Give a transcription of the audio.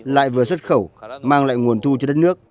lại vừa xuất khẩu mang lại nguồn thu cho đất nước